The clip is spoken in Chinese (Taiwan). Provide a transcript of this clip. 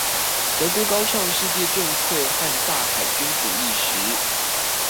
德國高唱世界政策和大海軍主義時